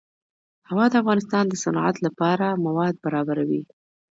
هوا د افغانستان د صنعت لپاره مواد برابروي.